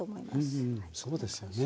うんうんそうですよね。